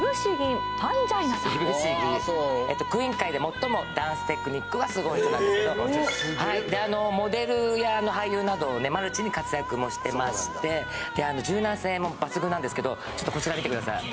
クイーン界で最もダンステクニックがすごい人なんですけどモデルや俳優などマルチに活躍もしてまして柔軟性も抜群なんですけどちょっとこちら見てください